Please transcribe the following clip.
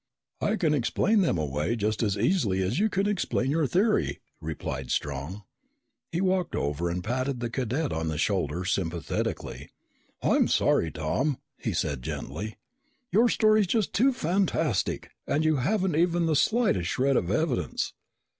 "I can explain them away just as easily as you can explain your theory," replied Strong. He walked over and patted the cadet on the shoulder sympathetically. "I'm sorry, Tom," he said gently. "Your story is just too fantastic and you haven't even the slightest shred of evidence.